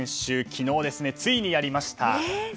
昨日ついにやりました。